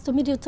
thật tốt lắm